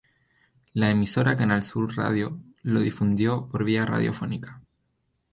La emisora Canal Sur Radio lo difundió por vía radiofónica.